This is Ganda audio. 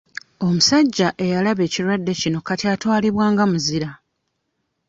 Omusajja eyalaba ekirwadde kino kati atwalibwa nga muzira.